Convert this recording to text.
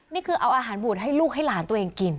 นี่คือเอาอาหารบูดให้ลูกให้หลานตัวเองกิน